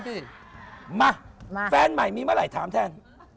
สิมาแฟนใหม่มีเมื่อไหร่ถามแทน